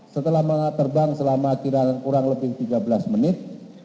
setelah terbang selama kurang lebih tiga belas menit